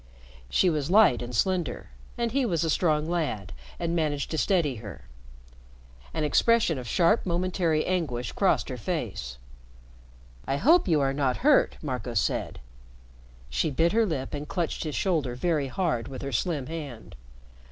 She was light and slender, and he was a strong lad and managed to steady her. An expression of sharp momentary anguish crossed her face. "I hope you are not hurt," Marco said. She bit her lip and clutched his shoulder very hard with her slim hand.